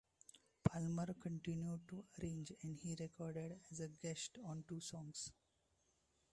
Palmer continued to arrange, and he recorded as a guest on two songs.